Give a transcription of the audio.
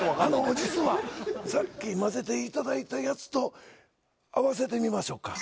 実は、さっき混ぜていただいたやつと、合わせてみましょうか。